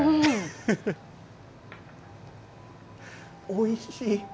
おいしい。